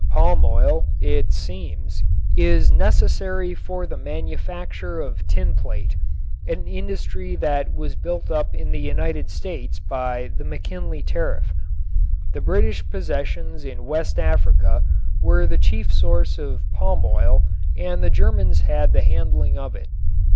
Palm oil, it seems, is necessary for the manufacture of tinplate, an industry that was built up in the United States by the McKinley tariff. The British possessions in West Africa were the chief source of palm oil and the Germans had the handling of it.